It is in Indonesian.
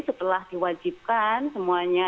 setelah diwajibkan semuanya